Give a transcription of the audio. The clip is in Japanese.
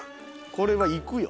これはいくよ。